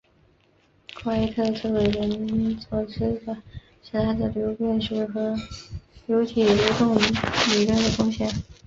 库埃特最为人所知的是他在流变学和流体流动理论的贡献。